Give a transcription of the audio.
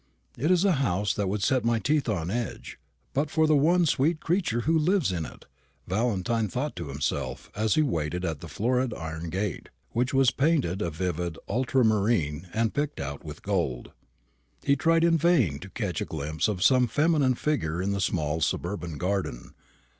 "It is a house that would set my teeth on edge, but for the one sweet creature who lives in it," Valentine thought to himself, as he waited at the florid iron gate, which was painted a vivid ultramarine and picked out with gold. He tried in vain to catch a glimpse of some feminine figure in the small suburban garden.